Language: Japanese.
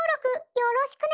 よろしくね！